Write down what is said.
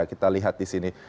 kita lihat di sini